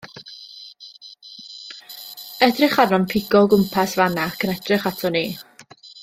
Edrych arno'n pigo o gwmpas fan 'na ac yn edrych aton ni.